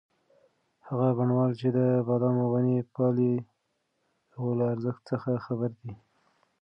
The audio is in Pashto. هغه بڼوال چې د بادامو ونې پالي د هغوی له ارزښت څخه خبر دی.